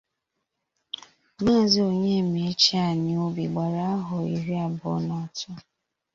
Maazị Onyemaechi Anịobi gbara ahọ iri abụọ na atọ